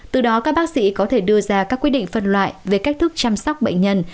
từ đó các bác sĩ có thể đưa ra các quyết định phân loại về cách thức chăm sóc bệnh nhân